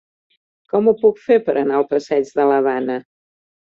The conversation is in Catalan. Com ho puc fer per anar al passeig de l'Havana?